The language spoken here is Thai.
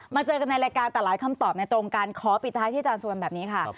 เจอกันในรายการแต่หลายคำตอบในตรงกันขอปิดท้ายที่อาจารย์สุวรรณแบบนี้ค่ะ